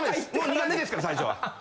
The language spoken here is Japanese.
苦手ですから最初は。